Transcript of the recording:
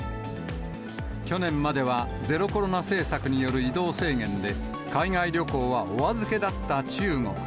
去年まではゼロコロナ政策による移動制限で、海外旅行はお預けだった中国。